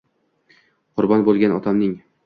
Qurbon bo’lgan otamning —